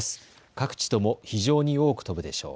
各地とも非常に多く飛ぶでしょう。